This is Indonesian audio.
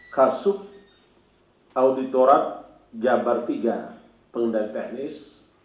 kasub auditorat jabar tiga pengendali teknis